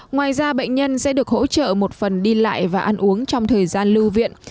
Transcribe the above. ngoài ra bệnh nhân sẽ được hỗ trợ một phần đi lại và ăn uống trong thời gian lưu viện